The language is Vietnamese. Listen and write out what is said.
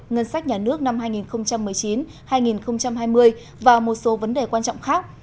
ngân sách nhà nước năm hai nghìn một mươi chín hai nghìn hai mươi và một số vấn đề quan trọng khác